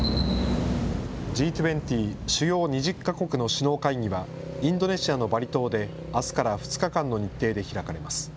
Ｇ２０・主要２０か国の首脳会議は、インドネシアのバリ島で、あすから２日間の日程で開かれます。